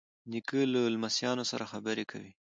نیکه له لمسیانو سره خبرې کوي.